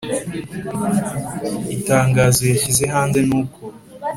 itangazo yashyize hanze nuko